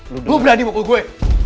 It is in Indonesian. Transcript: lu berani mukul gue